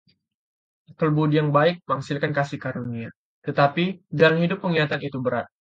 Akal budi yang baik menghasilkan kasih karunia, tetapi jalan hidup pengkhianat itu berat.